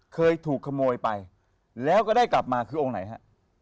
เคยถูกขโมยไปแล้วก็ได้กลับมาคือองค์ไหนฮะ